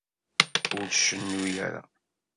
Ur cennu ara.